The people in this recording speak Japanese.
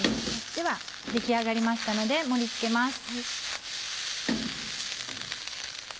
では出来上がりましたので盛り付けます。